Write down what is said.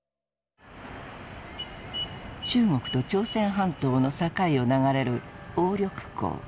中国と朝鮮半島の境を流れる鴨緑江。